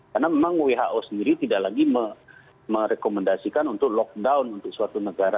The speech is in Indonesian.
karena memang who sendiri tidak lagi merekomendasikan untuk lockdown untuk suatu negara